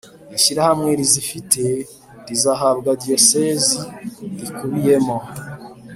ishyirahamwe rizifite rizahabwa Diyosezi rikubiyemo